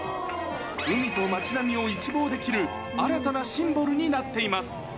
海と街並みを一望できる新たなシンボルになっています。